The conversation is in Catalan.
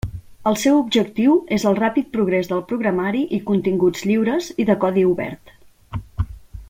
El seu objectiu és el ràpid progrés del programari i continguts lliures i de codi obert.